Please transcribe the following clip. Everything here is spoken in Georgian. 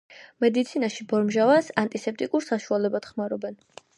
მედიცინაში ბორმჟავას ანტისეპტიკურ საშუალებად ხმარობენ.